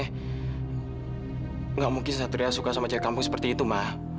enggak mungkin satria suka sama cewek kampung seperti itu ma